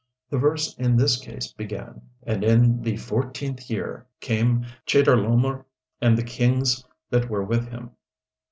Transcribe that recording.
The verse in this case began: "And in the fourteenth year came Chedorlaomer, and the kings that were with him."